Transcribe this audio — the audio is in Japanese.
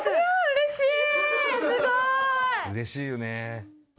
うれしいよね。